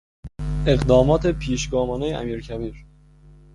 اقدامات پیشگامانهی امیرکبیر